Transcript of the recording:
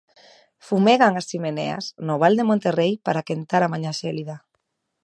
Fumegan as chemineas no val de Monterrei para quentar a mañá xélida.